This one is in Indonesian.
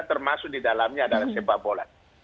termasuk di dalamnya adalah sepak bola